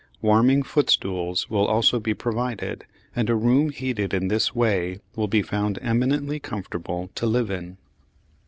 Warming footstools will also be provided, and a room heated in this way will be found eminently comfortable to live in.